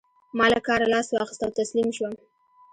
ما له کاره لاس واخيست او تسليم شوم.